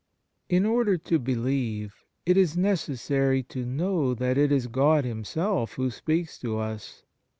In order to believe it is necessary to know that it is God Himself who speaks to us.